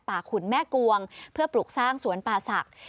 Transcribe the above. ขุนแม่กวงเพื่อปลูกสร้างสวนป่าศักดิ์